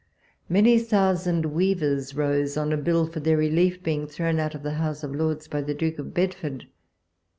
Many thousand Weavers rose, on a bill for their relief being thrown out of the House of Lords by the Duke of Bedford.